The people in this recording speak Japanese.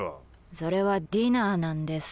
それはディナーなんです。